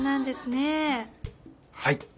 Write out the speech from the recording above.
はい。